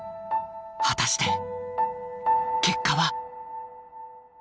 果たして結果は？